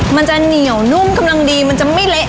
มันจะเหนียวนุ่มกำลังดีมันจะไม่เละ